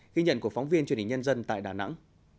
ghi nhận của phóng viên truyền hình nhân dân tại đà nẵng